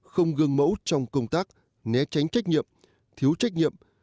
không gương mẫu trong công tác né tránh trách nhiệm thiếu trách nhiệm